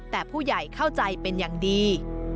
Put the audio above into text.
แต่ผู้ใหญ่เข้าใจเป็นอย่างดี